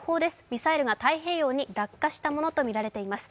ミサイルが太平洋に落下したものとみられています。